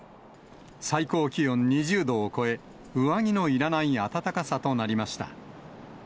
最高気温２０度を超え、上着のいらない暖かさとなりました。